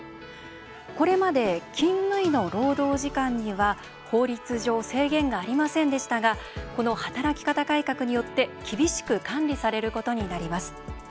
これまで、勤務医の労働時間には法律上制限がありませんでしたがこの働き方改革によって厳しく管理されることになります。